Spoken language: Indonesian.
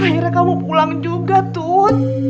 akhirnya kamu pulang juga tuh